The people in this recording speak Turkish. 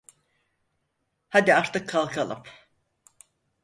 Haydi artık kalkalım!